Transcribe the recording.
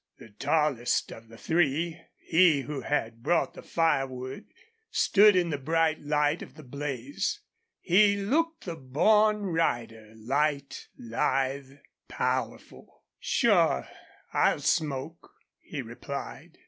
The tallest of the three, he who had brought the firewood, stood in the bright light of the blaze. He looked the born rider, light, lithe, powerful. "Sure, I'll smoke," he replied.